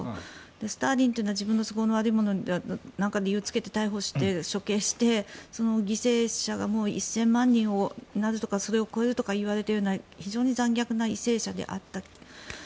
スターリンというのは自分の都合の悪いものは何か理由をつけて逮捕して、処刑してその犠牲者は１０００万人になるとかそれを超えるといわれるような非常に残虐な為政者であった。